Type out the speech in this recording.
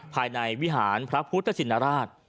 ภายในวิหารพระพุทธชินราช